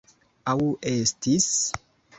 Aŭ estis?